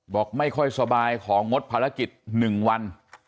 บอกไม่ค่อยสบายของงดภารกิจ๑วัน